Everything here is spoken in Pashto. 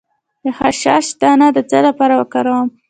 د خشخاش دانه د څه لپاره وکاروم؟